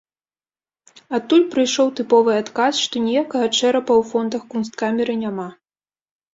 Адтуль прыйшоў тыповы адказ, што ніякага чэрапа ў фондах кунсткамеры няма.